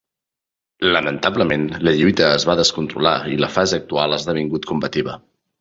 Lamentablement, la lluita es va descontrolar i la fase actual ha esdevingut combativa.